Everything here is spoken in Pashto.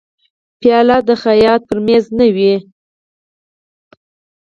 پیاله د خیاط پر مېز نه وي.